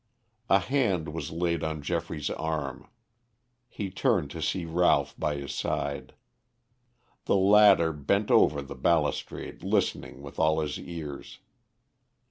A hand was laid on Geoffrey's arm. He turned to see Ralph by his side. The latter bent over the balustrade listening with all his ears.